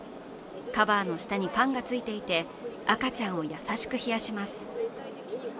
カバーの下にファンがついていて赤ちゃんを優しく冷やします。